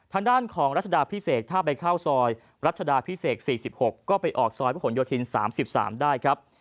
ทางด้านของรัชดาพิเศษถ้าไปเข้าซอยรัชดาพิเศษ๔๖ก็ไปออกซอยพระหลโยธิน๓๓ได้ครับ